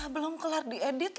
belum kelar diedit lah